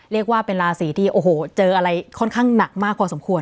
เรียกว่าเป็นราศีที่โอ้โหเจออะไรค่อนข้างหนักมากพอสมควร